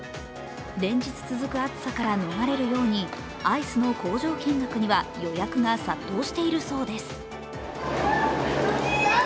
連日続く暑さから逃れるようにアイスの工場見学には予約が殺到しているそうです。